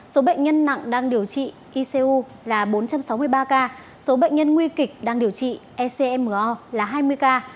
số bệnh nhân nặng đang điều trị icu là bốn trăm sáu mươi ba ca số bệnh nhân nguy kịch đang điều trị ecmo là hai mươi ca